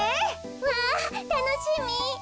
わあたのしみ。